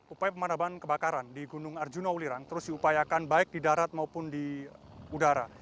upaya pemadaban kebakaran di gunung arjuna ulirang terus diupayakan baik di darat maupun di udara